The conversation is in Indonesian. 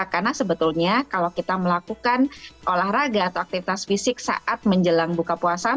karena sebetulnya kalau kita melakukan olahraga atau aktivitas fisik saat menjelang buka puasa